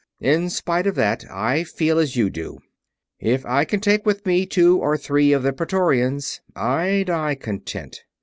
In spite of that, I feel as you do. If I can take with me two or three of the Praetorians, I die content.